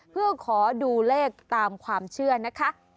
เพื่อขอดูเลขตามความเชื่อนะคะ